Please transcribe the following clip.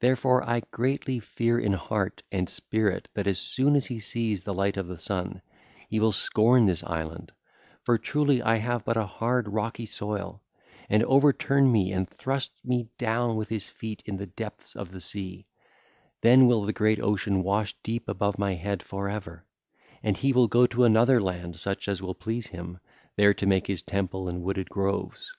Therefore, I greatly fear in heart and spirit that as soon as he sets the light of the sun, he will scorn this island—for truly I have but a hard, rocky soil—and overturn me and thrust me down with his feet in the depths of the sea; then will the great ocean wash deep above my head for ever, and he will go to another land such as will please him, there to make his temple and wooded groves.